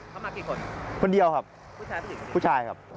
เขามากี่คนคนเดียวครับผู้ชายผู้หญิงผู้ชายครับ